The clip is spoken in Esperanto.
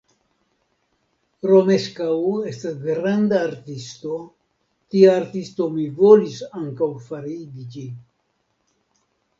Romeskaŭ estas granda artisto, tia artisto mi volis ankaŭ fariĝi.